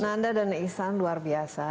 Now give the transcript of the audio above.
nah anda dan isan luar biasa